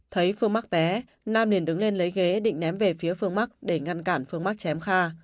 thấy phương mắc té nam liền đứng lên lấy ghế định ném về phía phương mắc để ngăn cản phương mắc chém kha